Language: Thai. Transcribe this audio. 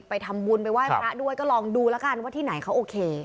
ไปทำบุญไปไหว้พระด้วยก็ลองดูแล้วกันว่าที่ไหนเขาโอเค